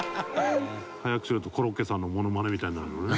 速くすると、コロッケさんのモノマネみたいになるのね。